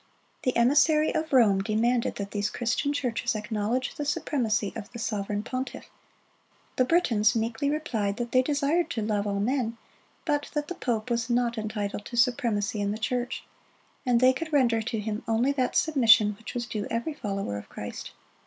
The emissary of Rome demanded that these Christian churches acknowledge the supremacy of the sovereign pontiff. The Britons meekly replied that they desired to love all men, but that the pope was not entitled to supremacy in the church, and they could render to him only that submission which was due to every follower of Christ.